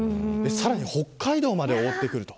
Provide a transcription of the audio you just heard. さらに北海道まで覆ってくる。